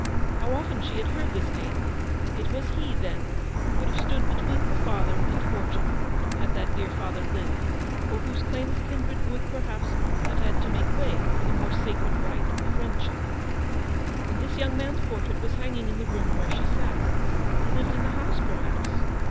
How often she had heard his name ! It was he, then, who would have stood between her father and fortune, had that dear father lived; or whose claim of kindred would, perhaps, have had to make way for the more sacred right of friendship. And this young man's portrait was hanging in the room where she sat. He lived in the house, perhaps.